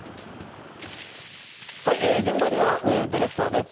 現場には上野ディレクターです。